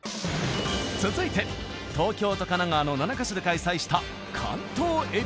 続いて東京と神奈川の７カ所で開催した関東エリア。